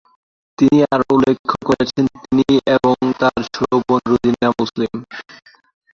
তিনি আরো উল্লেখ করেছেন তিনি এবং তার ছোট বোন রেজিনা মুসলিম।